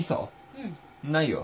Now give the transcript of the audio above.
うん。ないよ。